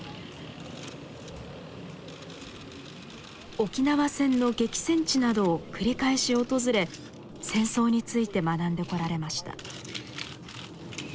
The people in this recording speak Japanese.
沖縄戦の激戦地などを繰り返し訪れ戦争について学んでこられました。